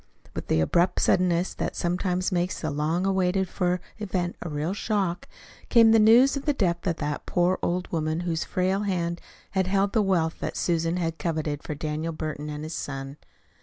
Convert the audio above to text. With the abrupt suddenness that sometimes makes the long waited for event a real shock, came the news of the death of the poor old woman whose frail hand had held the wealth that Susan had coveted for Daniel Burton and his son.